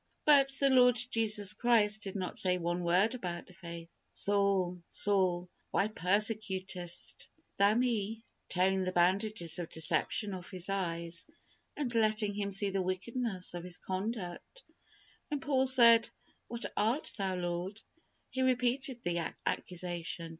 But the Lord Jesus Christ did not say one word about faith. "Saul, Saul, why persecutest thou Me?" tearing the bandages of deception off his eyes, and letting him see the wickedness of his conduct. When Saul said, "Who art Thou, Lord?" He repeated the accusation.